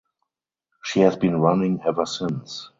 She has been running ever since.